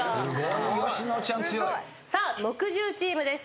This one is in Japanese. さあ木１０チームです。